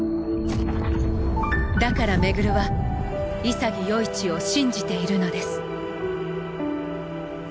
だから廻は潔世一を信じているのです